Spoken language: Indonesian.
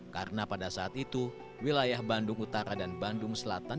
karena pada saat itu wilayah bandung utara dan bandung selatan